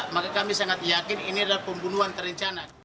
maka kami sangat yakin ini adalah pembunuhan terencana